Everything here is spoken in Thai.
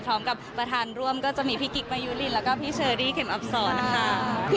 พร้อมกับประธานร่วมก็จะมีพี่กิ๊กมายุลินแล้วก็พี่เชอรี่เข็มอับสอนค่ะ